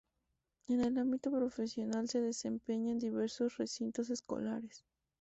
En el ámbito profesional se desempeña en diversos recintos escolares.